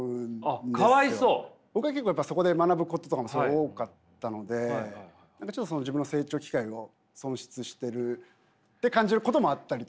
僕は結構やっぱそこで学ぶこととかも多かったのでちょっとその自分の成長機会を損失してるって感じることもあったりとか。